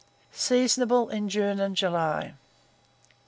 Seasonable in June and July.